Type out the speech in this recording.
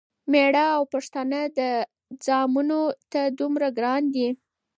مېړه او پښتانه ځامنو ته دومره ګران دی،